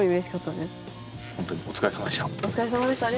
お疲れさまでした。